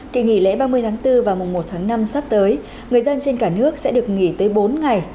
kỳ nghỉ lễ ba mươi tháng bốn và mùa một tháng năm sắp tới người dân trên cả nước sẽ được nghỉ tới bốn ngày